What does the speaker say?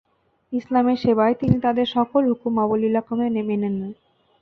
ইসলামের সেবায় তিনি তাদের সকল হুকুম অবলীলাক্রমে মেনে নেন।